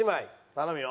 頼むよ！